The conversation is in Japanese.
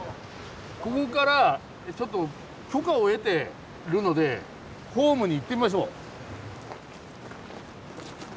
ここからちょっと許可を得てるのでホームに行ってみましょう。